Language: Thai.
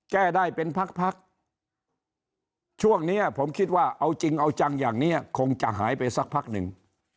แก้ได้เป็นพักช่วงนี้ผมคิดว่าเอาจริงเอาจังอย่างนี้คงจะหายไปสักพักหนึ่ง